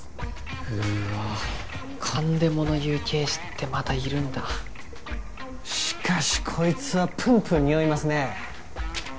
うわ勘で物言う刑事ってまだいるんだしかしこいつはプンプンにおいますね